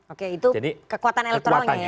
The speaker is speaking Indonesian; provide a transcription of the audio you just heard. oke itu kekuatan elektoralnya ya